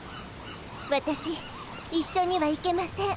わたし一緒には行けません。